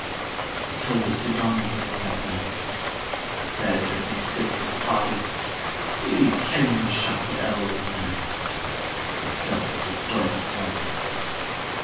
'" I told this to Donald late that night; He said, as he sipped his toddy, "Do ye ken ye shocked the elder the night? Yersel' is the doited body.